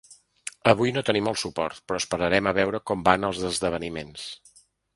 Avui no tenim el suport, però esperarem a veure com van els esdeveniments.